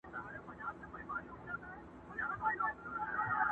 که خدای وکړه هره خوا مي پرې سمېږي،